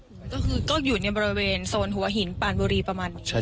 เหมือนก็คือก็อยู่ในบริเวณโซนหัวหินปานบุรีประมาณนี้